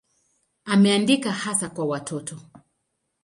Ameandika hasa kwa watoto.